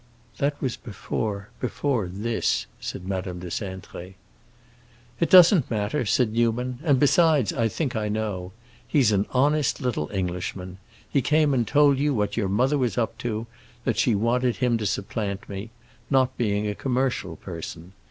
"That was before—before this," said Madame de Cintré. "It doesn't matter," said Newman; "and, besides, I think I know. He's an honest little Englishman. He came and told you what your mother was up to—that she wanted him to supplant me; not being a commercial person.